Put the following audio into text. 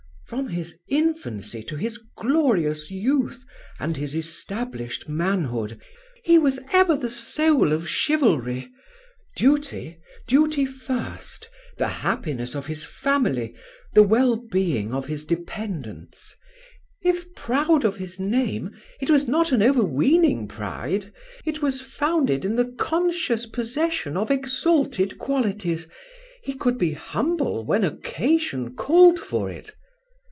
" From his infancy to his glorious youth and his established manhood." " He was ever the soul of chivalry." " Duty: duty first. The happiness of his family. The well being of his dependants." " If proud of his name it was not an overweening pride; it was founded in the conscious possession of exalted qualities. He could be humble when occasion called for it."